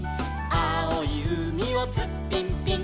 「あおいうみをツッピンピン」